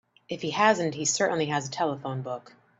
If he hasn't he certainly has a telephone book.